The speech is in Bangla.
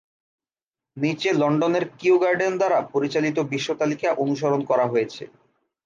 নীচে লন্ডনের কিউ গার্ডেন দ্বারা পরিচালিত বিশ্ব তালিকা অনুসরণ করা হয়েছে।